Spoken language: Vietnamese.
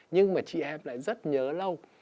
nhưng mà chị em lại rất nhớ lâu